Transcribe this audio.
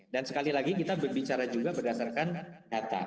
dan sekali lagi kita berbicara juga berdasarkan data